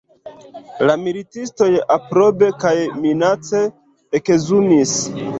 La militistoj aprobe kaj minace ekzumis.